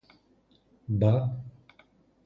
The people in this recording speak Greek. Μπα;